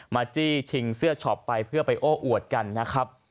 จี้ชิงเสื้อช็อปไปเพื่อไปโอ้อวดกันนะครับ